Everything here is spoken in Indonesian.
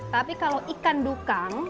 tapi kalau ikan dukang